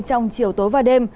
trong chiều tối và đêm